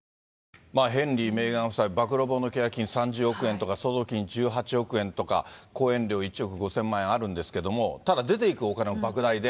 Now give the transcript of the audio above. ヘンリー、メーガン夫妻、暴露本の契約金３０億円とか相続金１８億円とか、講演料１億５０００万円あるんですけれども、ただ出ていくお金もばく大で。